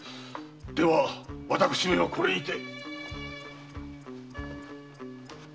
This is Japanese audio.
では私めはこれにて。